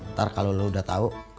ntar kalau lo udah tau